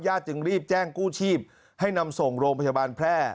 จึงรีบแจ้งกู้ชีพให้นำส่งโรงพยาบาลแพร่